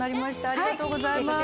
ありがとうございます。